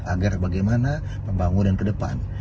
agar bagaimana pembangunan ke depan